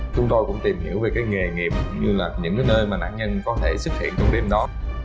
chúng tôi cũng tìm hiểu về cái nghề nghiệp cũng như là những cái nơi mà nạn nhân có thể xuất hiện trong đêm đó